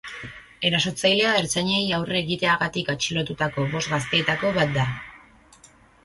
Erasotzailea ertzainei aurre egiteagatik atxilotutako bost gazteetako bat da.